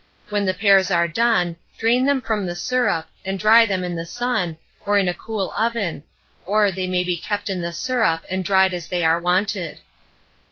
When the pears are done, drain them from the syrup, and dry them in the sun, or in a cool oven; or they may be kept in the syrup, and dried as they are wanted.